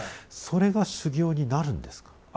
それが修行になるんですか？